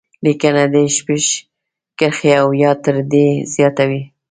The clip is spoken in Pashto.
لیکنه دې شپږ کرښې او یا تر دې زیاته وي.